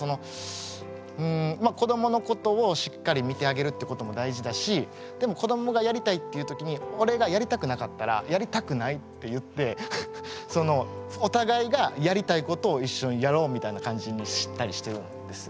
子どものことをしっかり見てあげるってことも大事だしでも子どもがやりたいっていう時に俺がやりたくなかったら「やりたくない」って言ってお互いがやりたいことを一緒にやろうみたいな感じにしたりしてるんですよ。